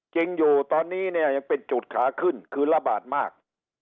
จริงอยู่ตอนนี้เนี่ยยังเป็นจุดขาขึ้นคือระบาดมาก